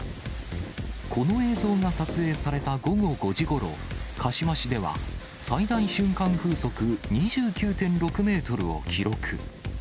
この映像が撮影された午後５時ごろ、鹿嶋市では最大瞬間風速２９．６メートルを記録。